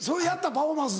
パフォーマンス。